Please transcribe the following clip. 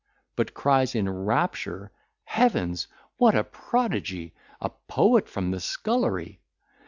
—but cries in rapture, "Heavens! what a prodigy a poet from the scullery!